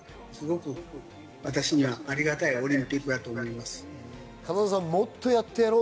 私には、ありがたいオリンピックだと思います。